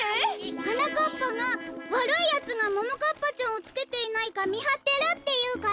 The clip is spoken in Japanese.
はなかっぱがわるいやつがももかっぱちゃんをつけていないかみはってるっていうから。